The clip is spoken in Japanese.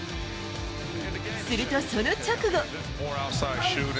するとその直後。